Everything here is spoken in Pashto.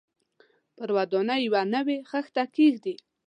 پر ودانۍ یوه نوې خښته کېږدي.